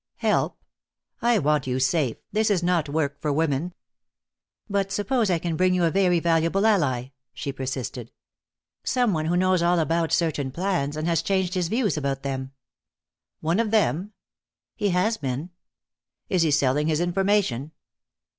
"Help? I want you safe. This is not work for women." "But suppose I can bring you a very valuable ally?" she persisted. "Some one who knows all about certain plans, and has changed his views about them?" "One of them?" "He has been." "Is he selling his information?"